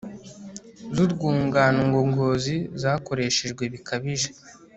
zurwungano ngogozi zakoreshejwe bikabije